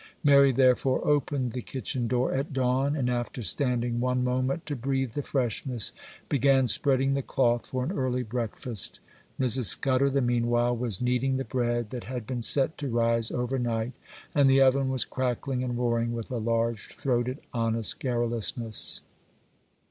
Mary, therefore, opened the kitchen door at dawn, and, after standing one moment to breathe the freshness, began spreading the cloth for an early breakfast. Mrs. Scudder, the meanwhile, was kneading the bread that had been set to rise over night; and the oven was crackling and roaring with a large throated, honest garrulousness.